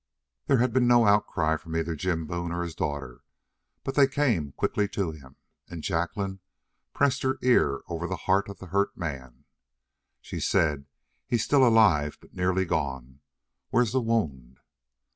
There had been no outcry from either Jim Boone or his daughter, but they came quickly to him, and Jacqueline pressed her ear over the heart of the hurt man. She said: "He's still alive, but nearly gone. Where's the wound?"